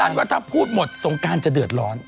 ว่าถ้าพูดหมดสงการจะเดือดร้อน